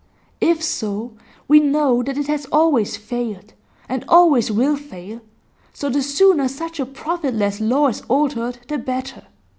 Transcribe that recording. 'If so, we know that it has always failed, and always will fail; so the sooner such a profitless law is altered the better.